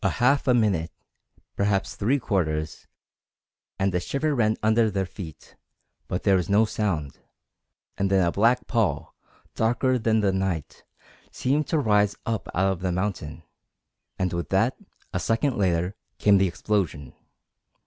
A half a minute perhaps three quarters and a shiver ran under their feet, but there was no sound; and then a black pall, darker than the night, seemed to rise up out of the mountain, and with that, a second later, came the explosion.